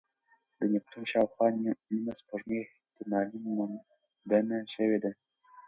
د نیپتون شاوخوا نیمه سپوږمۍ احتمالي موندنه شوې ده.